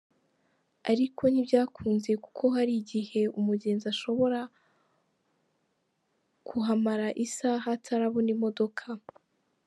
Ariko ntibyakunze kuko hari igihe umugenzi ashobora kuhamara isaha atarabona imodoka.